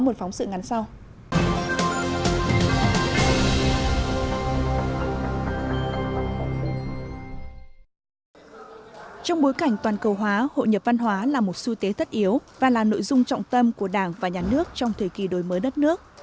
trong bối cảnh toàn cầu hóa hội nhập văn hóa là một xu thế tất yếu và là nội dung trọng tâm của đảng và nhà nước trong thời kỳ đổi mới đất nước